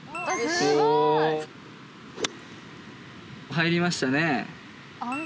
入りましたね。